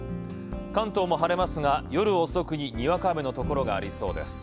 関東も晴れますが夜遅くににわか雨のところがありそうです。